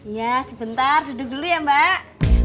ya sebentar duduk dulu ya mbak